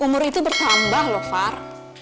umur itu bertambah loh far